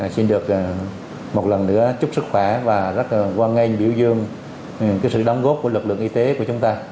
xin được một lần nữa chúc sức khỏe và rất là qua nghen biểu dương sự đóng góp của lực lượng y tế của chúng ta